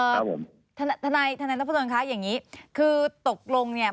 เอ่อท่านายท่านายรับประโยชน์คะอย่างงี้คือตกลงเนี่ย